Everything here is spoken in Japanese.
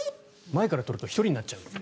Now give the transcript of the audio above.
前から撮ると１人になっちゃう。